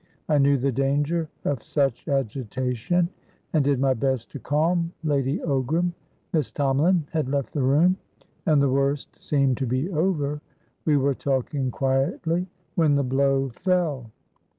I knew the danger of such agitation, and did my best to calm Lady Ogram. Miss Tomalin had left the room, and the worst seemed to be over. We were talking quietly, when the blow fell."